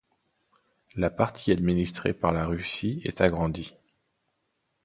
La partie administrée par la Russie est agrandie.